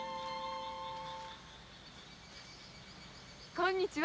こんにちは。